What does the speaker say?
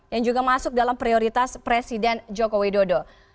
yang juga masuk dalam prioritas presiden joko widodo